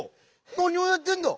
なにをやってんだ